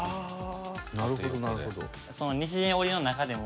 なるほどなるほど。